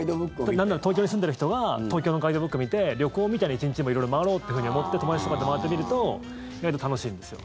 なんなら東京に住んでいる人が東京のガイドブック見て旅行みたいな１日色々回ろうっていうふうに思って友達とかと回ってみると意外と楽しいんですよ。